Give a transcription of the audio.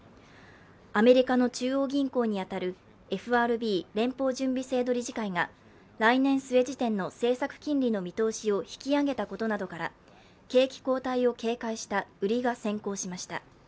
アメリカの中央銀行に当たるＦＲＢ＝アメリカ連邦準備制度理事会が来年末時点の政策金利の見通しを引き上げたことなどから景気後退を警戒した売りが先行しました。